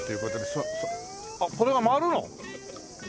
あっこれが回るの！？